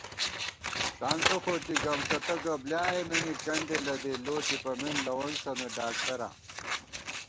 ݭانکہ فوٹی گمݭَتہ گہ بۡلیائېنَنی کندے لَدِی لو ٹِپَمېن لوَنسَنہ داکتراں